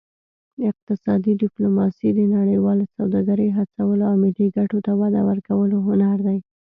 اقتصادي ډیپلوماسي د نړیوالې سوداګرۍ هڅولو او ملي ګټو ته وده ورکولو هنر دی